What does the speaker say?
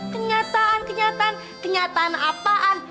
kenyataan kenyataan kenyataan apaan